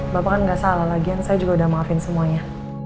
bapak kan gak salah lagian saya juga udah maafin semuanya